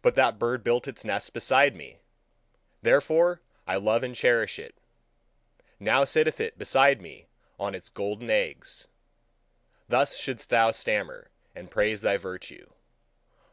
But that bird built its nest beside me: therefore, I love and cherish it now sitteth it beside me on its golden eggs." Thus shouldst thou stammer, and praise thy virtue.